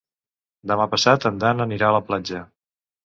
Demà passat en Dan anirà a la platja.